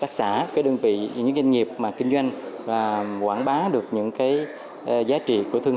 các xã cái đơn vị những doanh nghiệp mà kinh doanh và quảng bá được những cái giá trị của thương